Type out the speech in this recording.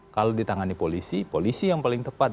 kalau ditangani polisi polisi yang paling tepat